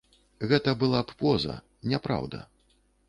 Гэта была б поза, няпраўда.